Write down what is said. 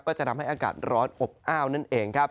ก็จะทำให้อากาศร้อนอบอ้าวนั่นเองครับ